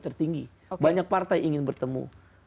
tertinggi banyak partai ingin bertemu